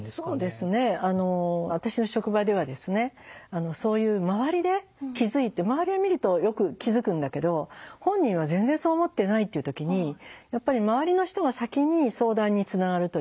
私の職場ではですねそういう周りで気付いて周りが見るとよく気付くんだけど本人は全然そう思ってないっていう時にやっぱり周りの人が先に相談につながるという。